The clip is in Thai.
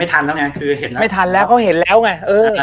ไม่ทันแล้วเขาเห็นแล้วไง